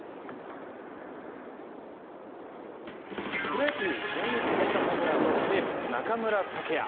プロ野球、現役最多ホームランの西武・中村剛也。